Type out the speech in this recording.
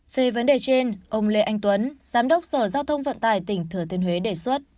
về vấn đề trên ông lê anh tuấn giám đốc sở giao thông vận tải tỉnh thừa thiên huế đề xuất